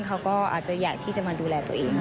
เขาก็อาจจะอยากที่จะมาดูแลตัวเอง